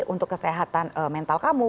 untuk kesehatan mental kamu